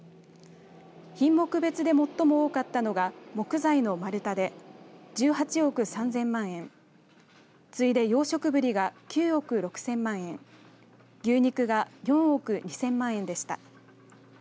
品目別で最も多かったのが木材の丸太で１８億３０００万円次いで養殖ブリが９億６０００万円牛肉が４億２０００万円でした。